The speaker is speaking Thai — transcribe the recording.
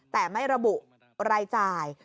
แต่ไม่ระบุรายจ่าย